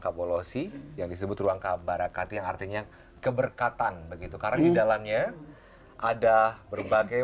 kapolosi yang disebut ruang kabar yang artinya keberkatan begitu karena di dalamnya ada berbagai